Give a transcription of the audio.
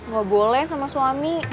gak boleh sama suami